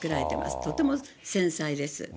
とても繊細です。